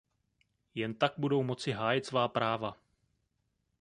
Jen tak budou moci hájit svá práva.